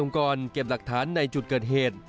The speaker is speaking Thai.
เก็บหลักฐานในจุดเกิดเหตุ